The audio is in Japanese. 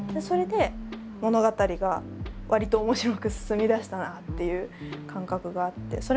それで物語がわりと面白く進みだしたなっていう感覚があって。